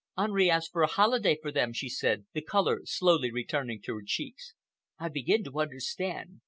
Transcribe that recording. "Henri asked for a holiday for them," she said, the color slowly returning to her cheeks. "I begin to understand.